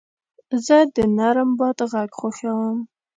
زه د نرم باد غږ خوښوم.